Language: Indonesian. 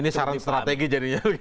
ini saran strategi jadinya